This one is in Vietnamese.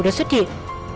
đã xuất hiện